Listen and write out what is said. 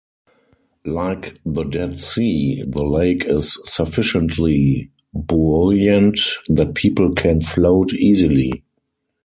Like the Dead Sea the lake is sufficiently buoyant that people can float easily.